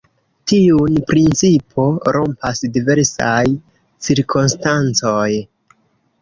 Tiun principon rompas diversaj cirkonstancoj.